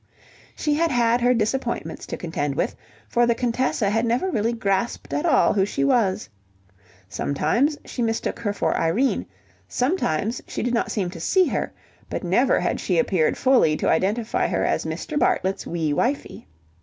She had had her disappointments to contend with, for the Contessa had never really grasped at all who she was. Sometimes she mistook her for Irene, sometimes she did not seem to see her, but never had she appeared fully to identify her as Mr. Bartlett's wee wifey.